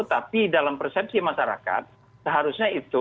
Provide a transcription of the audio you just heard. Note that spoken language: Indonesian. tapi dalam persepsi masyarakat seharusnya itu